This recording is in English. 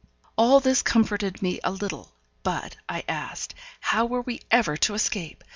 All this comforted me a little; but, I asked, how were we ever to escape?